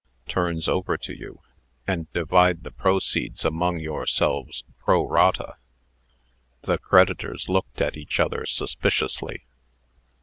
"turns over to you, and divide the proceeds among yourselves pro rata" The creditors looked at each other suspiciously.